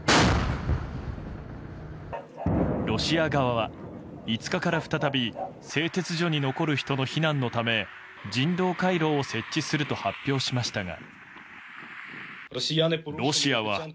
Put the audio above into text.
ロシア側は５日から再び製鉄所に残る人の避難のため人道回廊を設置すると発表しましたが。